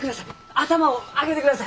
頭を上げてください！